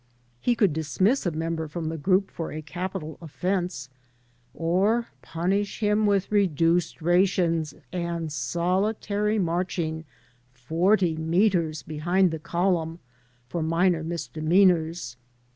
He could dismiss a member from the group for a capital offense, or punish him with reduced rations and solitary marching forty meters behind the column for minor misde meanors.